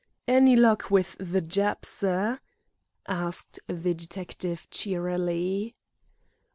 "Any luck with the Jap, sir?" asked the detective cheerily.